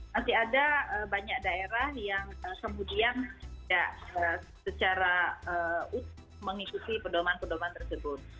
masih ada banyak daerah yang kemudian tidak secara utuh mengikuti pedoman pedoman tersebut